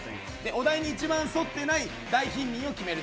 お題に一番沿ってない大貧民を決める